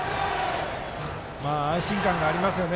安心感がありますよね。